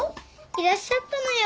いらっしゃったのよ。